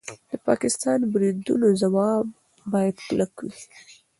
د پاکستاني بریدونو ځواب باید کلک وي.